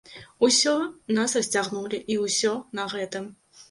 Усё, нас расцягнулі, і ўсё на гэтым.